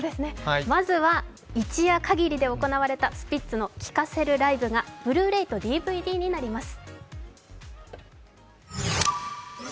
まずは一夜限りで行われたスピッツの聴かせるライブがＢｌｕ−ｒａｙとＤＶＤになります。